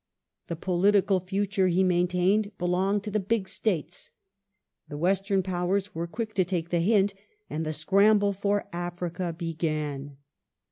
The political future, he maintained, belonged to the big states ". The Western Powers were quick to take the hint and the scramble for Africa began.